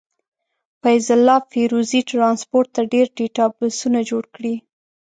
فيض الله فيروزي ټرانسپورټ ته ډير ډيټابسونه جوړ کړي.